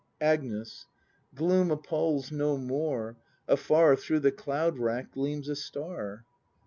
Agnes. Gloom appals no more; afar Through the cloud wrack gleams a star.